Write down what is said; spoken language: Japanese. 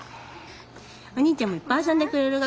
おにいちゃんもいっぱい遊んでくれるが。